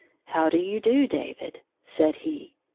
"How do you do, David?" said he.